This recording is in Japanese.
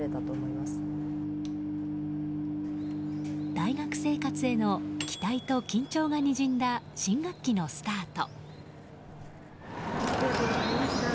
大学生活への期待と緊張がにじんだ新学期のスタート。